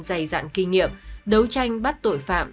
dày dạn kinh nghiệm đấu tranh bắt tội phạm